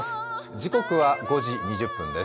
時刻は５時２０分です。